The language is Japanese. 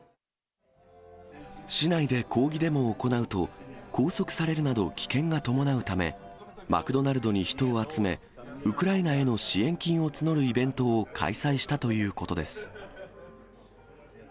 市内で抗議デモを行うと、拘束されるなど、危険が伴うため、マクドナルドに人を集め、ウクライナへの支援金を募るイベントを開催したということです。